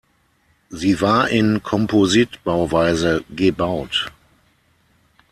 Sie war in Kompositbauweise gebaut.